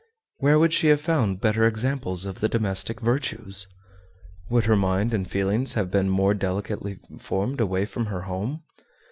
Where would she have found better examples of the domestic virtues? Would her mind and feelings have been more delicately formed away from her home?